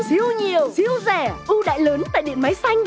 xíu nhiều xíu rẻ ưu đại lớn tại điện máy xanh